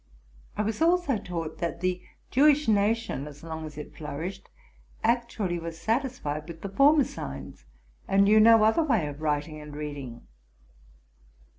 I was also taught that the Jewish nation, as long as it flourished, actually were satisfied with the former signs, and knew no other way of writing and reading.